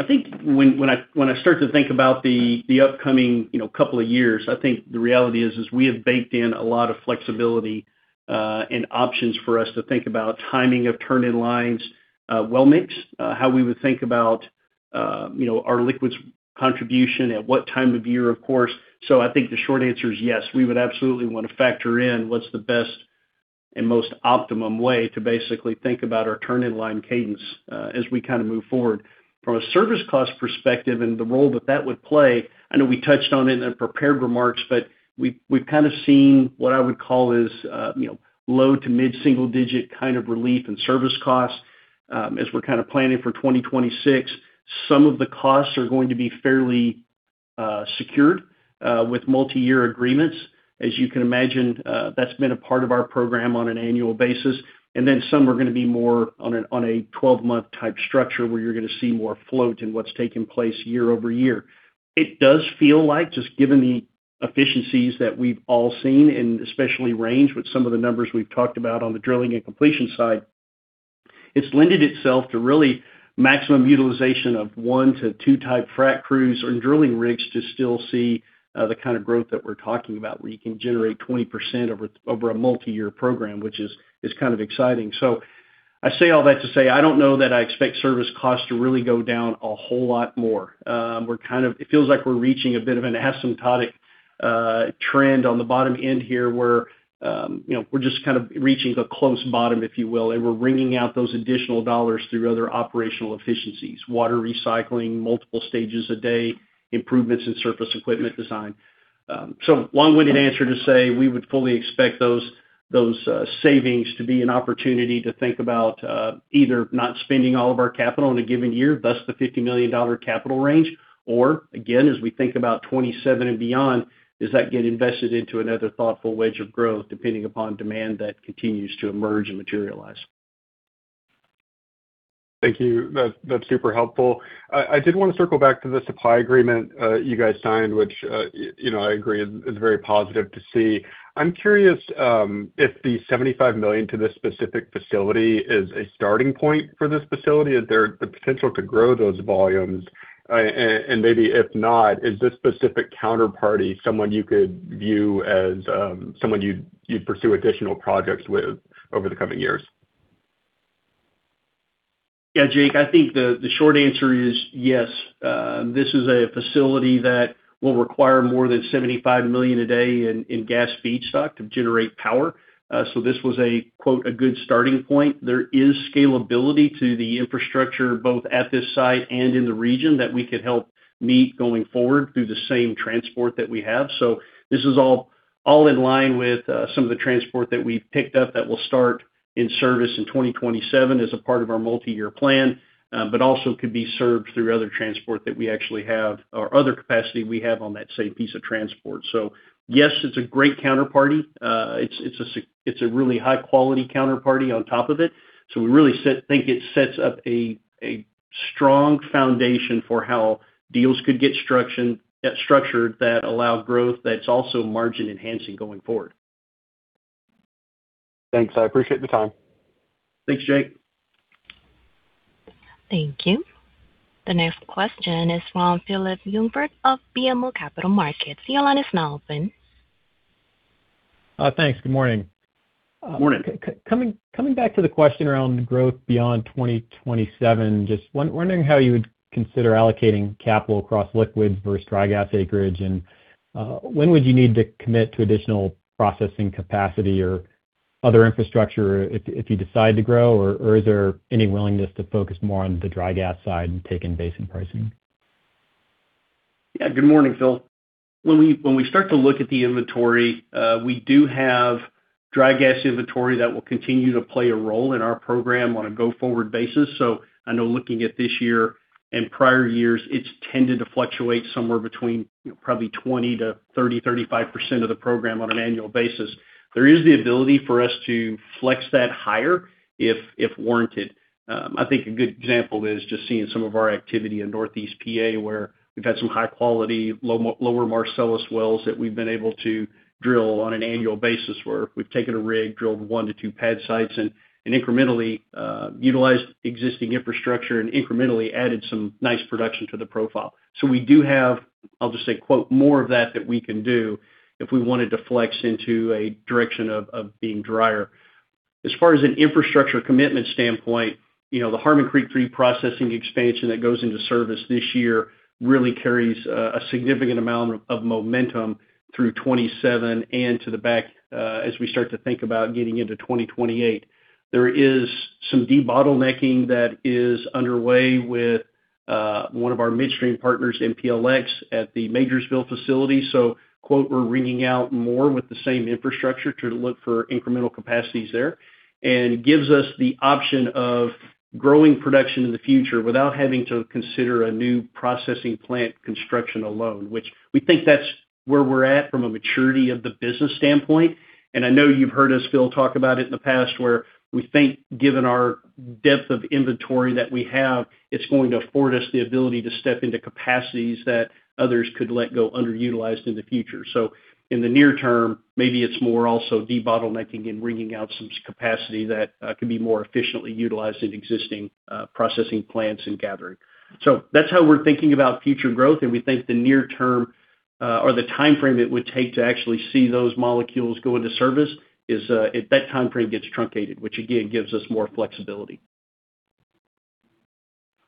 I think when I start to think about the upcoming, you know, couple of years, I think the reality is we have baked in a lot of flexibility and options for us to think about timing of turn-in-lines, well mix, how we would think about, you know, our liquids contribution, at what time of year, of course. I think the short answer is yes, we would absolutely want to factor in what's the best and most optimum way to basically think about our turn-in-line cadence as we kind of move forward. From a service cost perspective and the role that that would play, I know we touched on it in the prepared remarks, but we've kind of seen what I would call is, you know, low to mid single-digit kind of relief in service costs. As we're kind of planning for 2026, some of the costs are going to be fairly secured with multiyear agreements. As you can imagine, that's been a part of our program on an annual basis. Then some are gonna be more on a 12-month type structure, where you're gonna see more float in what's taking place year-over-year. It does feel like, just given the efficiencies that we've all seen, and especially Range, with some of the numbers we've talked about on the Drilling and Completion side, it's lended itself to really maximum utilization of one to two type frac crews or drilling rigs to still see the kind of growth that we're talking about, where you can generate 20% over a multi-year program, which is kind of exciting. I say all that to say, I don't know that I expect service costs to really go down a whole lot more. It feels like we're reaching a bit of an asymptotic trend on the bottom end here, where, you know, we're just kind of reaching a close bottom, if you will, and we're wringing out those additional dollars through other operational efficiencies, water recycling, multiple stages a day, improvements in surface equipment design. Long-winded answer to say, we would fully expect those savings to be an opportunity to think about either not spending all of our capital in a given year, thus the $50 million capital range, or again, as we think about 2027 and beyond, does that get invested into another thoughtful wedge of growth, depending upon demand that continues to emerge and materialize? Thank you. That's, that's super helpful. I did want to circle back to the supply agreement, you guys signed, which, you know, I agree, is very positive to see. I'm curious, if the $75 million to this specific facility is a starting point for this facility? Is there the potential to grow those volumes? Maybe if not, is this specific counterparty someone you could view as, someone you'd pursue additional projects with over the coming years? Yeah, Jake, I think the short answer is yes. This is a facility that will require more than $75 million a day in gas feedstock to generate power. This was a, quote, "A good starting point." There is scalability to the infrastructure, both at this site and in the region, that we could help meet going forward through the same transport that we have. This is all in line with some of the transport that we've picked up that will start in service in 2027 as a part of our multiyear plan, but also could be served through other transport that we actually have or other capacity we have on that same piece of transport. Yes, it's a great counterparty. It's, it's a really high quality counterparty on top of it. We really think it sets up a strong foundation for how deals could get structured that allow growth, that's also margin enhancing going forward. Thanks. I appreciate the time. Thanks, Jake. Thank you. The next question is from Phillip Jungwirth of BMO Capital Markets. Your line is now open. Thanks. Good morning. Morning. Coming back to the question around growth beyond 2027, wondering how you would consider allocating capital across liquids versus dry gas acreage? When would you need to commit to additional processing capacity or other infrastructure if you decide to grow, or is there any willingness to focus more on the dry gas side and take in basin pricing? Yeah. Good morning, Phil. When we start to look at the inventory, we do have dry gas inventory that will continue to play a role in our program on a go-forward basis. I know looking at this year and prior years, it's tended to fluctuate somewhere between probably 20-30, 35% of the program on an annual basis. There is the ability for us to flex that higher if warranted. I think a good example is just seeing some of our activity in Northeast PA, where we've had some high quality, Lower Marcellus wells that we've been able to drill on an annual basis, where we've taken a rig, drilled 1 to 2 pad sites, and incrementally utilized existing infrastructure and incrementally added some nice production to the profile. We do have, I'll just say, quote, "More of that we can do," if we wanted to flex into a direction of being drier. As far as an infrastructure commitment standpoint, you know, the Harmon Creek 3 processing expansion that goes into service this year really carries a significant amount of momentum through 2027 and to the back as we start to think about getting into 2028. There is some debottlenecking that is underway with one of our midstream partners, MPLX, at the Majorsville facility. Quote, "We're wringing out more with the same infrastructure to look for incremental capacities there," and gives us the option of growing production in the future without having to consider a new processing plant construction alone, which we think that's where we're at from a maturity of the business standpoint. I know you've heard us, Phil, talk about it in the past, where we think, given our depth of inventory that we have, it's going to afford us the ability to step into capacities that others could let go underutilized in the future. In the near term, maybe it's more also debottlenecking and wringing out some capacity that can be more efficiently utilized in existing processing plants and gathering. That's how we're thinking about future growth, and we think the near term, or the timeframe it would take to actually see those molecules go into service is if that timeframe gets truncated, which again, gives us more flexibility.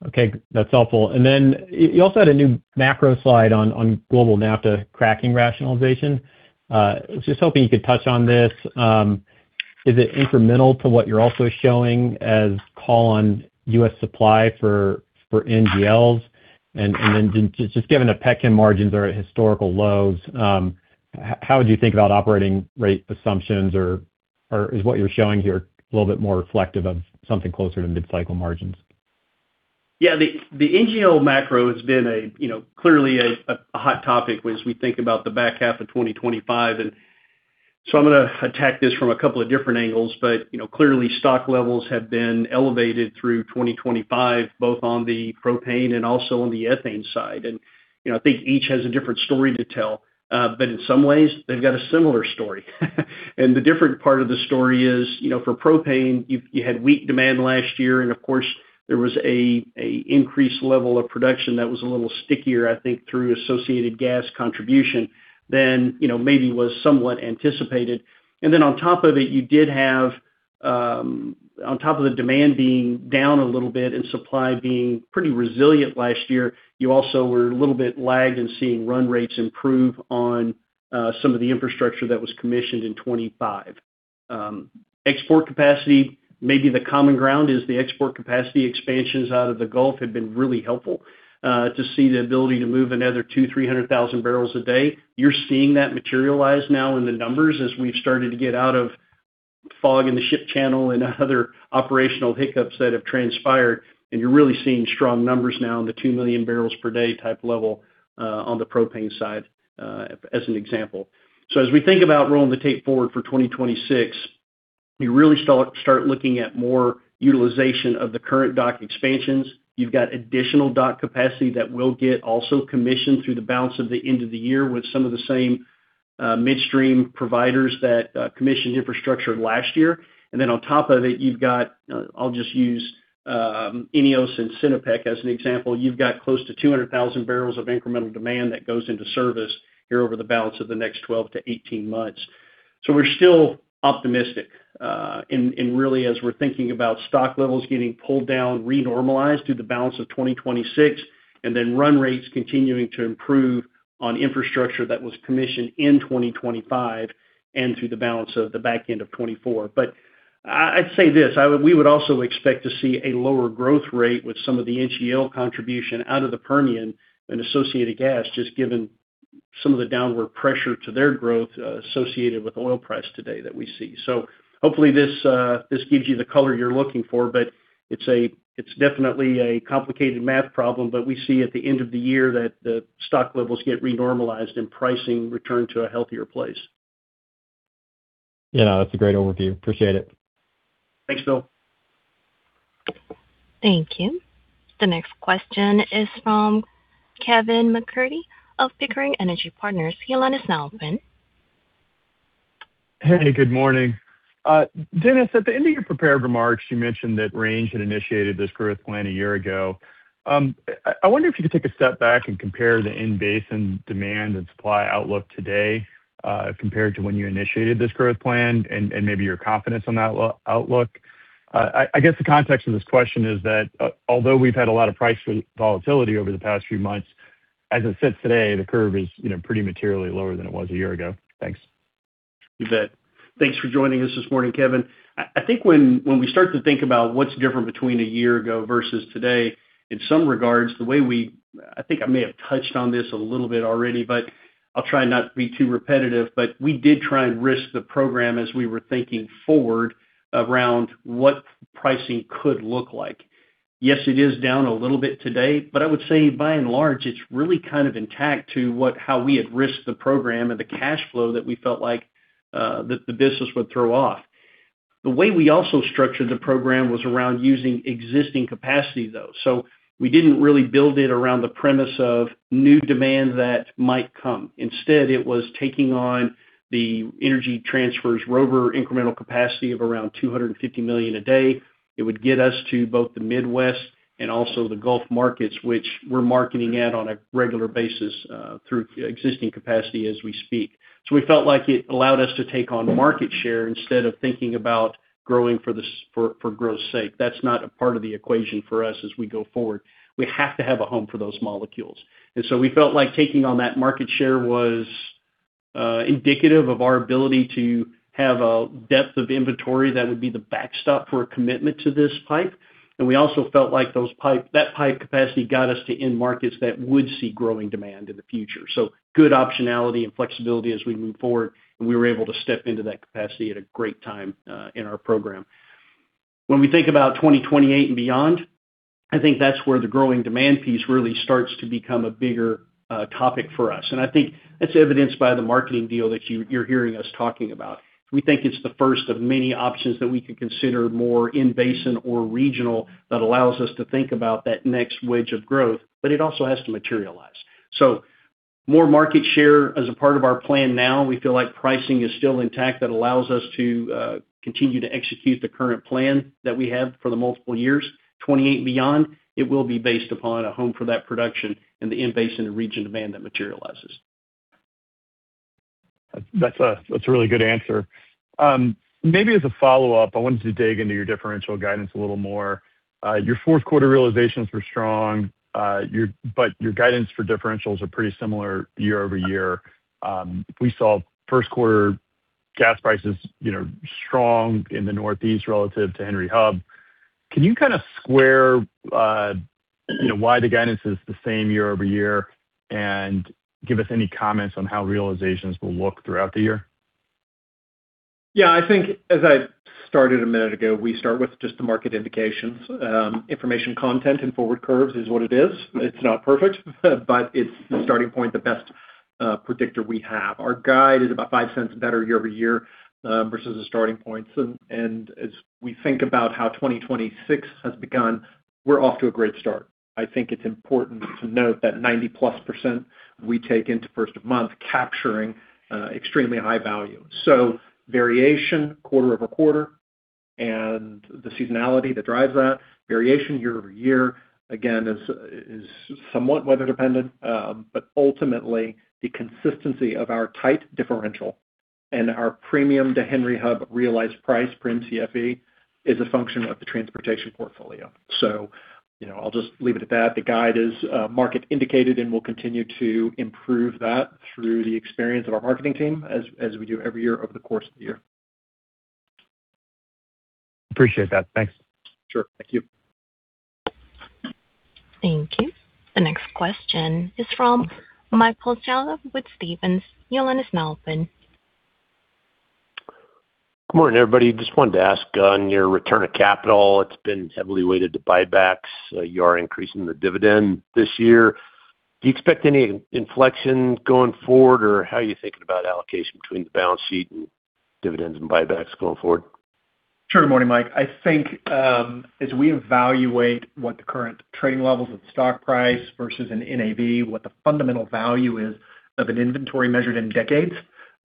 Okay, that's helpful. Then you also had a new macro slide on global naphtha cracking rationalization. I was just hoping you could touch on this. Is it incremental to what you're also showing as call on U.S. supply for NGLs? Then just given the petchem margins are at historical lows, how would you think about operating rate assumptions, or is what you're showing here a little bit more reflective of something closer to mid-cycle margins? The NGL macro has been, you know, clearly a hot topic as we think about the back half of 2025. I'm gonna attack this from a couple of different angles, but, you know, clearly, stock levels have been elevated through 2025, both on the propane and also on the ethane side. You know, I think each has a different story to tell, but in some ways, they've got a similar story. The different part of the story is, you know, for propane, you had weak demand last year, and of course, there was a increased level of production that was a little stickier, I think, through associated gas contribution than, you know, maybe was somewhat anticipated. On top of it, you did have, on top of the demand being down a little bit and supply being pretty resilient last year, you also were a little bit lagged in seeing run rates improve on some of the infrastructure that was commissioned in 2025. Export capacity, maybe the common ground is the export capacity expansions out of the Gulf have been really helpful to see the ability to move another 200,000 to 300,000 barrels a day. You're seeing that materialize now in the numbers as we've started to get out of fog in the ship channel and other operational hiccups that have transpired, and you're really seeing strong numbers now in the two million barrels per day type level on the propane side, as an example. As we think about rolling the tape forward for 2026, you really start looking at more utilization of the current dock expansions. You've got additional dock capacity that will get also commissioned through the balance of the end of the year with some of the same midstream providers that commissioned infrastructure last year. On top of it, you've got, I'll just use Ineos and Sinopec as an example. You've got close to 200,000 barrels of incremental demand that goes into service here over the balance of the next 12 to 18 months. We're still optimistic, and really, as we're thinking about stock levels getting pulled down, renormalized through the balance of 2026, and then run rates continuing to improve on infrastructure that was commissioned in 2025 and through the balance of the back end of 2024. I'd say this: we would also expect to see a lower growth rate with some of the NGL contribution out of the Permian and associated gas, just given some of the downward pressure to their growth associated with oil price today that we see. Hopefully this gives you the color you're looking for, but it's definitely a complicated math problem, but we see at the end of the year that the stock levels get renormalized and pricing return to a healthier place. Yeah, that's a great overview. Appreciate it. Thanks, Phil. Thank you. The next question is from Kevin MacCurdy of Pickering Energy Partners. Your line is now open. Hey, good morning. Dennis, at the end of your prepared remarks, you mentioned that Range had initiated this growth plan a year ago. I wonder if you could take a step back and compare the in-basin demand and supply outlook today, compared to when you initiated this growth plan and maybe your confidence on that outlook? I guess the context of this question is that, although we've had a lot of price volatility over the past few months, as it sits today, the curve is, you know, pretty materially lower than it was a year ago. Thanks. You bet. Thanks for joining us this morning, Kevin. I think when we start to think about what's different between a year ago versus today, in some regards, the way we I think I may have touched on this a little bit already, but I'll try and not be too repetitive, but we did try and risk the program as we were thinking forward around what pricing could look like. Yes, it is down a little bit today, but I would say by and large, it's really kind of intact to what how we had risked the program and the cash flow that we felt like that the business would throw off. The way we also structured the program was around using existing capacity, though. We didn't really build it around the premise of new demand that might come. Instead, it was taking on the Energy Transfer's Rover Pipeline incremental capacity of around 250 million a day. It would get us to both the Midwest and also the Gulf markets, which we're marketing at on a regular basis through existing capacity as we speak. We felt like it allowed us to take on market share instead of thinking about growing for growth's sake. That's not a part of the equation for us as we go forward. We have to have a home for those molecules. We felt like taking on that market share was...... indicative of our ability to have a depth of inventory that would be the backstop for a commitment to this pipe. We also felt like that pipe capacity got us to end markets that would see growing demand in the future. Good optionality and flexibility as we move forward, and we were able to step into that capacity at a great time in our program. When we think about 2028 and beyond, I think that's where the growing demand piece really starts to become a bigger topic for us. I think that's evidenced by the marketing deal that you're hearing us talking about. We think it's the first of many options that we could consider more in basin or regional, that allows us to think about that next wedge of growth, but it also has to materialize. More market share as a part of our plan now, we feel like pricing is still intact. That allows us to continue to execute the current plan that we have for the multiple years. 2028 beyond, it will be based upon a home for that production and the in-basin and region demand that materializes. That's a really good answer. Maybe as a follow-up, I wanted to dig into your differential guidance a little more. Your fourth quarter realizations were strong, but your guidance for differentials are pretty similar year-over-year. We saw first quarter gas prices, you know, strong in the Northeast relative to Henry Hub. Can you kind of square, you know, why the guidance is the same year-over-year, and give us any comments on how realizations will look throughout the year? I think as I started one minute ago, we start with just the market indications. Information content and forward curves is what it is. It's not perfect, but it's the starting point, the best predictor we have. Our guide is about $0.05 better year-over-year versus the starting points. As we think about how 2026 has begun, we're off to a great start. I think it's important to note that 90%+ we take into first of month, capturing extremely high value. Variation quarter-over-quarter, and the seasonality that drives that variation year-over-year, again, is somewhat weather dependent. But ultimately, the consistency of our tight differential and our premium to Henry Hub realized price per Mcfe, is a function of the transportation portfolio. You know, I'll just leave it at that. The guide is market indicated, and we'll continue to improve that through the experience of our marketing team, as we do every year over the course of the year. Appreciate that. Thanks. Sure. Thank you. Thank you. The next question is from Michael Scialla with Stephens. Your line is now open. Good morning, everybody. Just wanted to ask on your return of capital, it's been heavily weighted to buybacks. You are increasing the dividend this year. Do you expect any inflection going forward, or how are you thinking about allocation between the balance sheet and dividends and buybacks going forward? Sure. Good morning, Mike. I think, as we evaluate what the current trading levels of stock price versus an NAV, what the fundamental value is of an inventory measured in decades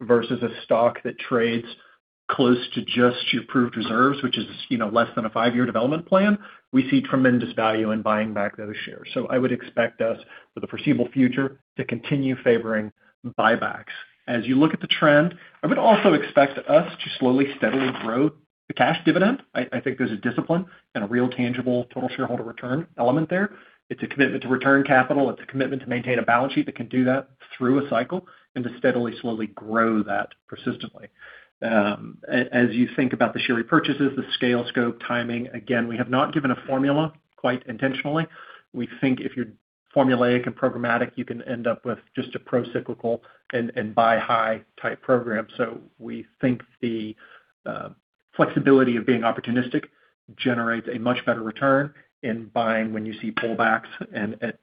versus a stock that trades close to just your approved reserves, which is, you know, less than a five year development plan, we see tremendous value in buying back those shares. I would expect us, for the foreseeable future, to continue favoring buybacks. As you look at the trend, I would also expect us to slowly, steadily grow the cash dividend. I think there's a discipline and a real tangible total shareholder return element there. It's a commitment to return capital. It's a commitment to maintain a balance sheet that can do that through a cycle and to steadily, slowly grow that persistently. As you think about the share repurchases, the scale, scope, timing, again, we have not given a formula quite intentionally. We think if you're formulaic and programmatic, you can end up with just a procyclical and buy high type program. We think the flexibility of being opportunistic generates a much better return in buying when you see pullbacks and at,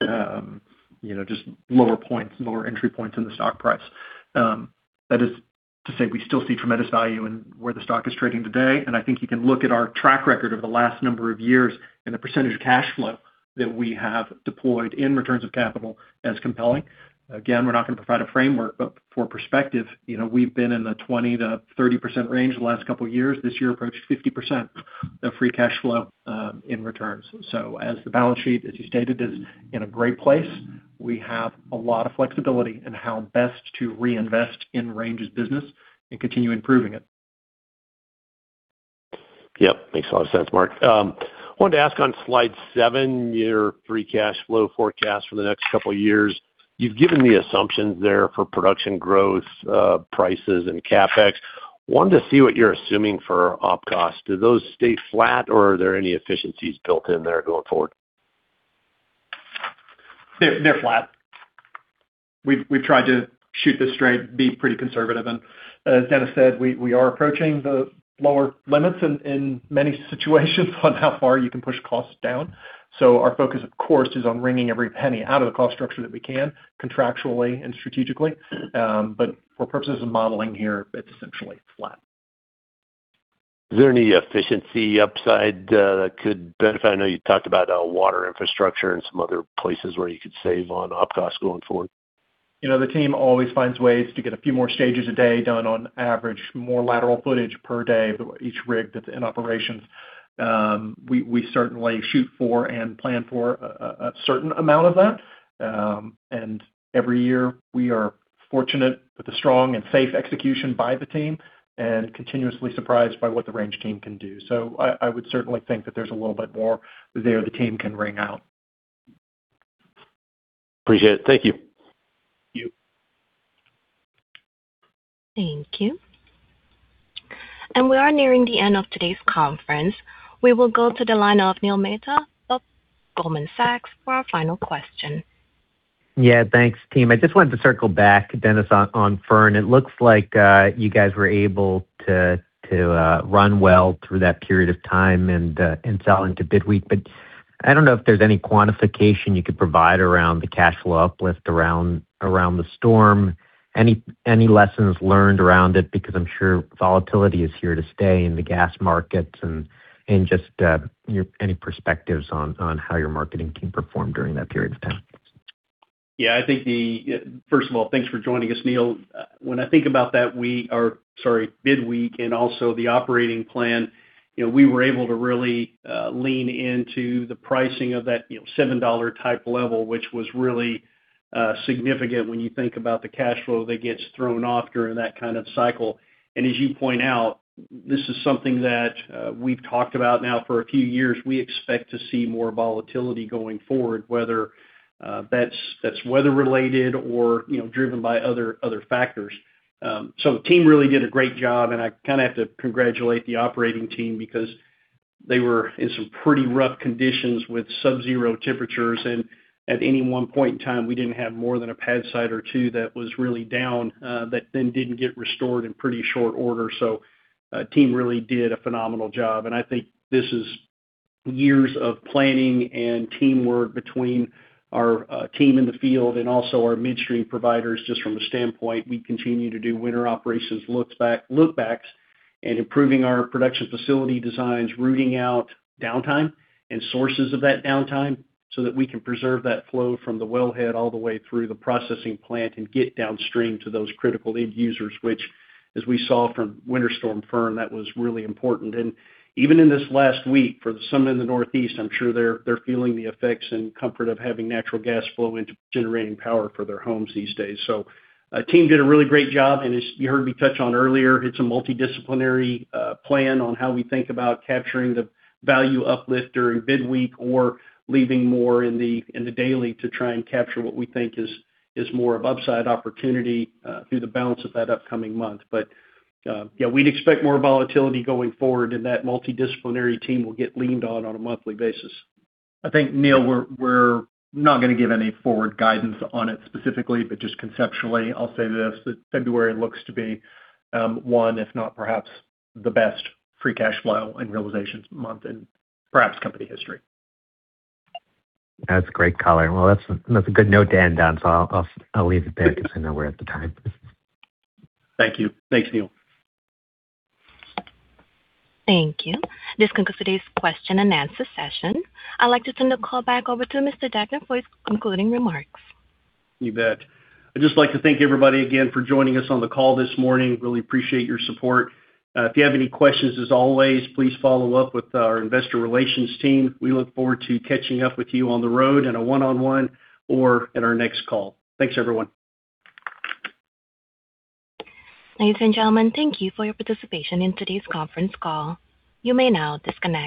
you know, just lower points, lower entry points in the stock price. That is to say, we still see tremendous value in where the stock is trading today, and I think you can look at our track record of the last number of years, and the percentage of cash flow that we have deployed in returns of capital as compelling. We're not going to provide a framework, but for perspective, you know, we've been in the 20%-30% range the last couple of years. This year approached 50% of free cash flow in returns. As the balance sheet, as you stated, is in a great place, we have a lot of flexibility in how best to reinvest in Range's business and continue improving it. Yep, makes a lot of sense, Mark. I wanted to ask on slide 7, your free cash flow forecast for the next couple of years. You've given the assumptions there for production growth, prices and CapEx. Wanted to see what you're assuming for op costs. Do those stay flat or are there any efficiencies built in there going forward? They're flat. We've tried to shoot this straight, be pretty conservative. As Dennis said, we are approaching the lower limits in many situations on how far you can push costs down. Our focus, of course, is on wringing every penny out of the cost structure that we can, contractually and strategically. For purposes of modeling here, it's essentially flat. Is there any efficiency upside, that could benefit? I know you talked about, water infrastructure and some other places where you could save on op costs going forward. You know, the team always finds ways to get a few more stages a day done on average, more lateral footage per day, each rig that's in operations. We certainly shoot for and plan for a certain amount of that. Every year, we are fortunate with the strong and safe execution by the team and continuously surprised by what the Range team can do. I would certainly think that there's a little bit more there the team can wring out. Appreciate it. Thank you. Thank you. Thank you. We are nearing the end of today's conference. We will go to the line of Neil Mehta of Goldman Sachs for our final question. Yeah, thanks, team. I just wanted to circle back, Dennis, on Fern. It looks like you guys were able to run well through that period of time and sell into bid week. I don't know if there's any quantification you could provide around the cash flow uplift around the storm. Any lessons learned around it? I'm sure volatility is here to stay in the gas markets, and just any perspectives on how your marketing team performed during that period of time. Yeah, I think First of all, thanks for joining us, Neil. When I think about that, we Sorry, bid week and also the operating plan, you know, we were able to really lean into the pricing of that, you know, $7 type level, which was really significant when you think about the cash flow that gets thrown off during that kind of cycle. As you point out, this is something that we've talked about now for a few years. We expect to see more volatility going forward, whether that's weather related or, you know, driven by other factors. The team really did a great job, and I kind of have to congratulate the operating team because they were in some pretty rough conditions with subzero temperatures, and at any one point in time, we didn't have more than a pad site or two that was really down, that then didn't get restored in pretty short order. Team really did a phenomenal job, and I think this is years of planning and teamwork between our team in the field and also our midstream providers. Just from a standpoint, we continue to do winter operations, look backs and improving our production facility designs, rooting out downtime and sources of that downtime, so that we can preserve that flow from the wellhead all the way through the processing plant and get downstream to those critical end users, which, as we saw from Winter Storm Fern, that was really important. Even in this last week, for some in the Northeast, I'm sure they're feeling the effects and comfort of having natural gas flow into generating power for their homes these days. Our team did a really great job, and as you heard me touch on earlier, it's a multidisciplinary plan on how we think about capturing the value uplift during bid week or leaving more in the, in the daily to try and capture what we think is more of upside opportunity through the balance of that upcoming month. Yeah, we'd expect more volatility going forward in that multidisciplinary team will get leaned on a monthly basis. I think, Neil, we're not going to give any forward guidance on it specifically, but just conceptually, I'll say this, that February looks to be one, if not perhaps the best free cash flow and realizations month in perhaps company history. That's a great color. Well, that's a good note to end on, so I'll leave it there, because I know we're at the time. Thank you. Thanks, Neil. Thank you. This concludes today's question and answer session. I'd like to turn the call back over to Mr. Degner for his concluding remarks. You bet. I'd just like to thank everybody again for joining us on the call this morning. Really appreciate your support. If you have any questions, as always, please follow up with our investor relations team. We look forward to catching up with you on the road in a one-on-one or at our next call. Thanks, everyone. Ladies and gentlemen, thank you for your participation in today's conference call. You may now disconnect.